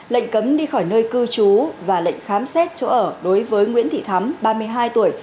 lệnh cấm đi khỏi nơi cư trú và lệnh khám xét chỗ ở đối với nguyễn thị thắm ba mươi hai tuổi